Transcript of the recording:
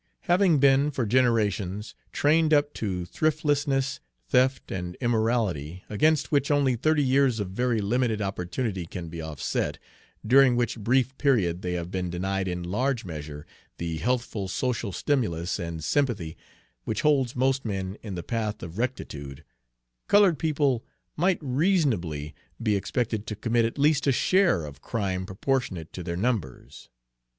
Having been, for generations, trained up to thriftlessness, theft, and immorality, against which only thirty years of very limited opportunity can be offset, during which brief period they have been denied in large measure the healthful social stimulus and sympathy which holds most men in the path of rectitude, colored people might reasonably be expected to commit at least a share of crime proportionate to their numbers.